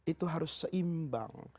itu harus seimbang